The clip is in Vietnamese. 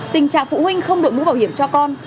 tình trạng phụ huynh không đổi mũ bảo hiểm cho con